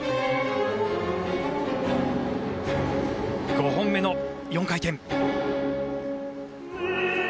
５本目の４回転。